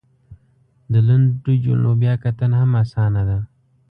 د لنډو جملو بیا کتنه هم اسانه ده !